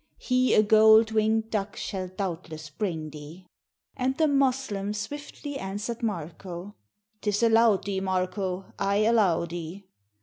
He a gold wing'd duck shall doubtless bring thee." And the Moslem swiftly answer'd Marko: 415 THE BALKAN STATES "'T is allow'd thee, Marko! I allow thee."